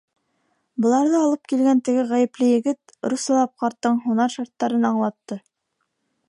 Быларҙы алып килгән теге ғәйепле егет руссалап ҡарттың һунар шарттарын аңлатты.